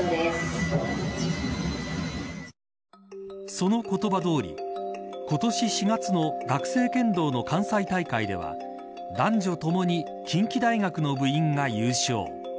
その言葉どおり今年４月の学生剣道の関西大会では男女ともに近畿大学の部員が優勝。